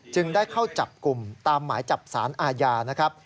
ได้เข้าจับกลุ่มตามหมายจับสารอาญานะครับ